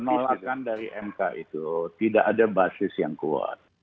penolakan dari mk itu tidak ada basis yang kuat